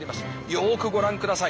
よくご覧ください。